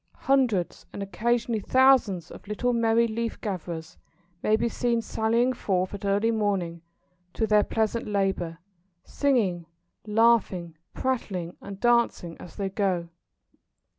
Hundreds, and occasionally thousands, of little merry leaf gatherers may be seen sallying forth at early morning to their pleasant labour, singing, laughing, prattling, and dancing as they go.